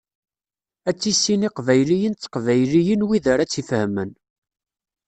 Ad tissin iqbayliyen d teqbayliyin wid ara tt-ifehmen.